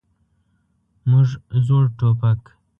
موږ زوړ ټوپک.